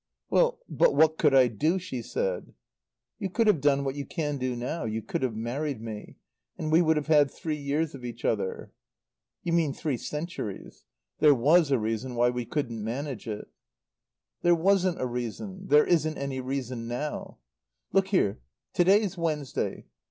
"Well but what could I do?" she said. "You could have done what you can do now. You could have married me. And we would have had three years of each other." "You mean three centuries. There was a reason why we couldn't manage it." "There wasn't a reason. There isn't any reason now. "Look here to day's Wednesday.